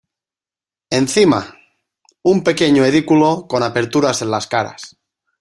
Encima, un pequeño edículo con aperturas en las caras.